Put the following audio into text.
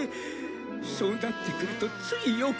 そうなってくるとつい欲が出て。